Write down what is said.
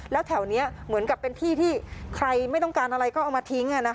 แล้วแถวนี้เหมือนกับเป็นที่ที่ใครไม่ต้องการอะไรก็เอามาทิ้ง